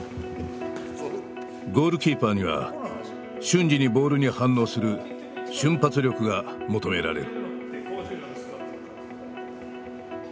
ゴールキーパーには瞬時にボールに反応する瞬発力が求められる。